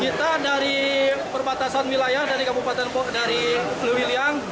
kita dari perbatasan wilayah dari kabupaten dari lewiliang